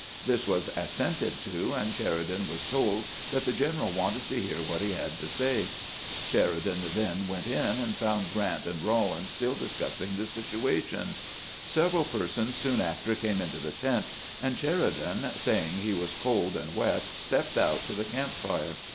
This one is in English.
This was assented to, and Sheridan was told that the general wanted to hear what he had to say. Sheridan then went in, and found Grant and Rawlins stiU discussing the situation. Several persons soon after came into the tent, and Sheridan, saying he was cold and wet, stepped out to the camp fire.